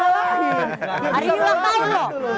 hari ini ulang tahun loh